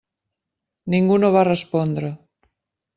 Ningú no va respondre.